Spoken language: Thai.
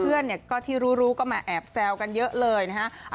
เพื่อนเนี่ยก็ที่รู้ก็มาแอบแซวกันเยอะเลยนะฮะ